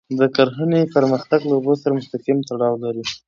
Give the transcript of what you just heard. د کرهڼې پرمختګ له اوبو سره مستقیم تړاو لري.